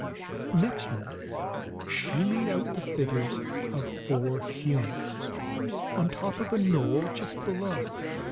Next moment she made out the figures of four humans on top of a knoll just below.